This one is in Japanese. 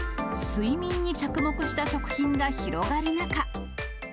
睡眠に着目した食品が広がる中。